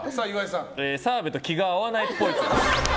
澤部と気が合わないっぽい。